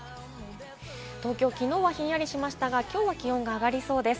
東京、昨日はひんやりしましたが、今日は気温が上がりそうです。